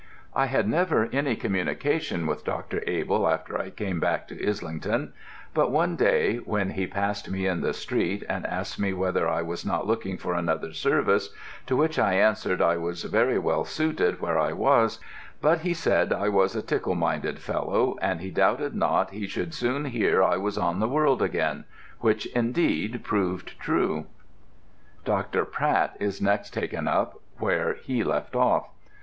"I had never any communication with Dr. Abell after I came back to Islington, but one day when he passed me in the street and asked me whether I was not looking for another service, to which I answered I was very well suited where I was, but he said I was a tickle minded fellow and he doubted not he should soon hear I was on the world again, which indeed proved true." Dr. Pratt is next taken up where he left off.